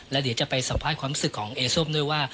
แล้วเดี๋ยวจะไปสัมภาษณ์ความรู้สึกของเอส้มด้วยว่า